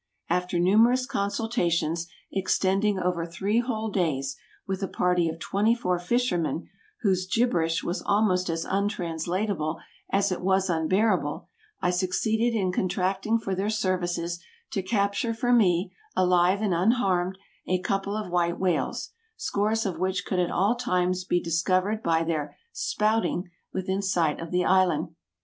After numerous consultations, extending over three whole days, with a party of twenty four fishermen, whose gibberish was almost as untranslatable as it was unbearable, I succeeded in contracting for their services to capture for me, alive and unharmed, a couple of white whales, scores of which could at all times be discovered by their "spouting" within sight of the island.